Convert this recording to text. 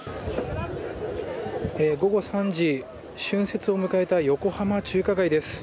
午後３時春節を迎えた横浜中華街です。